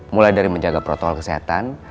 mulai dari menjaga protokol kesehatan